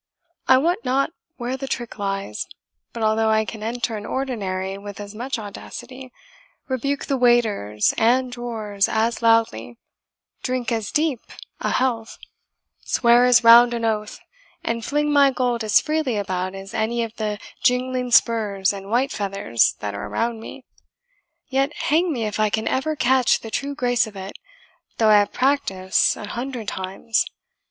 I wot not where the trick lies; but although I can enter an ordinary with as much audacity, rebuke the waiters and drawers as loudly, drink as deep a health, swear as round an oath, and fling my gold as freely about as any of the jingling spurs and white feathers that are around me, yet, hang me if I can ever catch the true grace of it, though I have practised an hundred times.